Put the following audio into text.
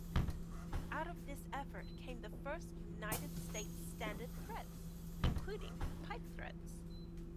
Out of this effort came the first United States Standard threads, including pipe threads.